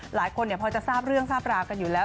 หลายคนพอจะทราบเรื่องทราบราวกันอยู่แล้ว